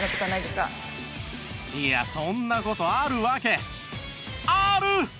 いやそんな事あるわけある！